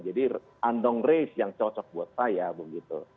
jadi andong race yang cocok buat saya begitu